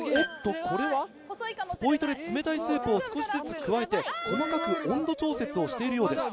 これはスポイトで冷たいスープを少しずつ加えて細かく温度調節をしているようです。